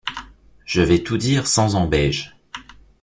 Ie vais tout dire sans ambaiges.